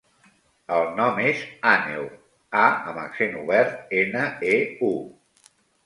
El nom és Àneu: a amb accent obert, ena, e, u.